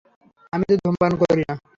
আমিতো ধুমপান করিনা।